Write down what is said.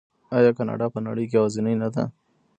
آیا کاناډا په نړۍ کې یوازې نه ده؟